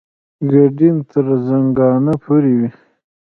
ګډین تر زنګانه پورې وي.